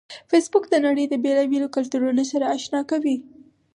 فېسبوک د نړۍ د بیلابیلو کلتورونو سره آشنا کوي